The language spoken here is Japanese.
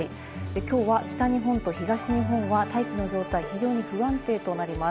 きょうは北日本と東日本は大気の状態、非常に不安定となります。